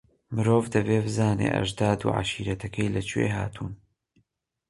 مرۆ دەبێ بزانێ ئەژداد و عەشیرەتەکەی لەکوێ هاتوون.